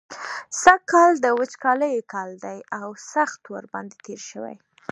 سږکال د وچکالۍ کال دی او سخت ورباندې تېر شوی.